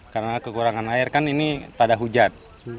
karena kekurangan air kan ini tak ada hujan